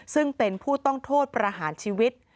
ซึ่งเป็นผู้ต้องโทษประหารชีวิต